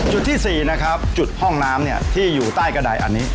จุดที่สี่นะครับจุดห้องน้ำที่อยู่ใต้กระดายอันนี้